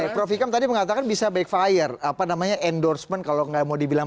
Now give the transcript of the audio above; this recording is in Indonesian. profi kam tadi mengatakan bisa backfire apa namanya endorsement kalau gak mau dibilang